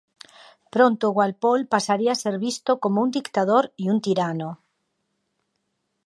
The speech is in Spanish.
Pronto Walpole pasaría a ser visto como un dictador y un tirano.